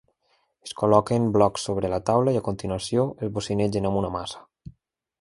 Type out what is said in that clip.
Es col·loquen blocs sobre la taula i, a continuació, es bocinegen amb una maça.